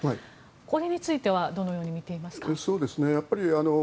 これについてはどのように見ていますか？